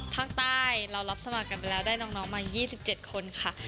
ภาคใต้เรารับสมัครกันไปแล้วได้น้องมา๒๗คนค่ะ